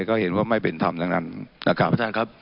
ก็เห็นว่าไม่เป็นธรรมดังนั้นนะครับพระเจ้าครับ